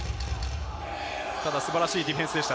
ただ素晴らしいディフェンスでした。